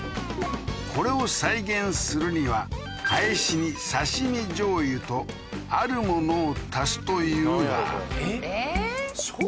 これを再現するには返しに刺身醤油とあるものを足すというがええー？